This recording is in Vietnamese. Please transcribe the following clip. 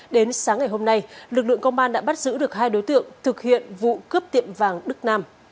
đến sáng ngày hôm nay lực lượng công an đã bắt giữ được hai đối tượng thực hiện vụ cướp tiệm vàng đức nam